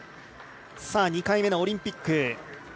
２回目のオリンピック。